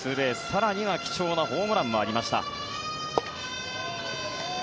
更には貴重なホームランもありました。